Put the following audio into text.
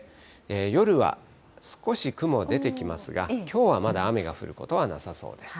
夜は少し雲出てきますが、きょうはまだ雨が降ることはなさそうです。